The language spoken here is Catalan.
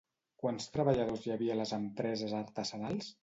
Quants treballadors hi havia a les empreses artesanals?